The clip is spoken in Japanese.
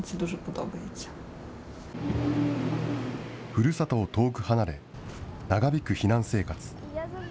ふるさとを遠く離れ、長引く避難生活。